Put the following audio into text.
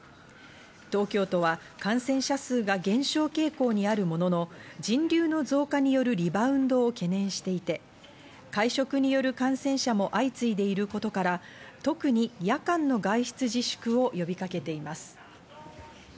東京都は感染者数が減少傾向にあるものの、人流の増加によるリバウンドを懸念していて、会食による感染者も相次いでいることから、特に夜間の外出自粛を呼びかけています。